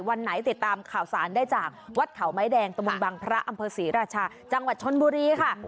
วันไหนติดตามข่าวสารได้จากวัดเขาไม้แดงตะบนบังพระอำเภอศรีราชาจังหวัดชนบุรีค่ะ